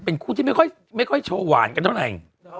เป็นคนที่ไม่ค่อยทรมานกันเท่าไร